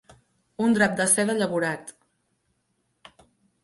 Un drap de seda llavorat.